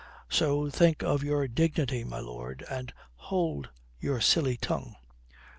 So think of your dignity, my lord. And hold your silly tongue."